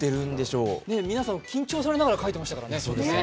皆さん緊張されながら書いていましたからね。